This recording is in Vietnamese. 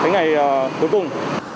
ngày cuối cùng